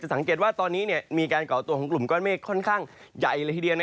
สังเกตว่าตอนนี้มีการก่อตัวของกลุ่มก้อนเมฆค่อนข้างใหญ่เลยทีเดียว